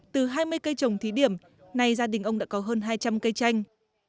từ hai mươi cây trồng thí điểm nay gia đình ông đã có hơn hai trăm linh cây chanh